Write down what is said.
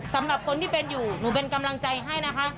สำหรับคนที่เป็นอยู่หนูเป็นกำลังใจให้นะคะ